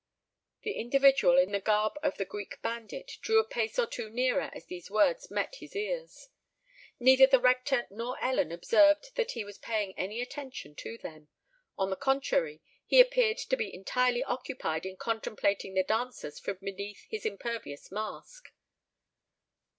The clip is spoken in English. The individual in the garb of the Greek Bandit drew a pace or two nearer as these words met his ears. Neither the rector nor Ellen observed that he was paying any attention to them: on the contrary, he appeared to be entirely occupied in contemplating the dancers from beneath his impervious mask.